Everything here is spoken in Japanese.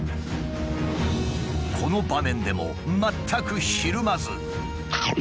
この場面でも全くひるまず。